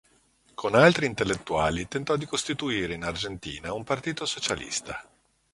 Con altri intellettuali tentò di costituire in Argentina un partito socialista.